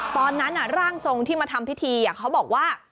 ร่างทรงที่มาทำพิธีเขาบอกว่า